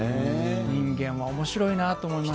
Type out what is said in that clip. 人間はおもしろいなと思いました。